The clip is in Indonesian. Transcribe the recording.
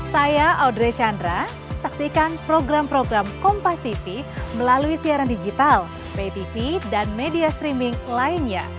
saya audrey chandra saksikan program program kompati melalui siaran digital pay tv dan media streaming lainnya